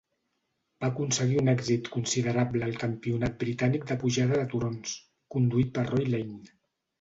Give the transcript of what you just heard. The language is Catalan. Va aconseguir un èxit considerable al Campionat britànic de pujada de turons, conduït per Roy Lane.